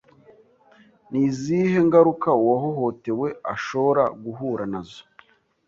Ni izihe ngaruka uwahohotewe ashoora guhura na zo